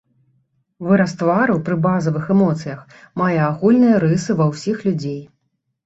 Выраз твару пры базавых эмоцыях мае агульныя рысы ва ўсіх людзей.